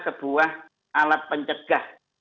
sebuah alat pencegah